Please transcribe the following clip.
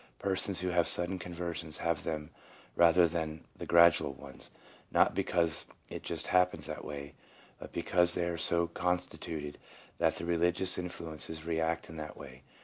Persons who have sudden conversions have them rather than the gradual ones, not because it just happens that way, but because they are so constituted that the religious influences react in that w r ay.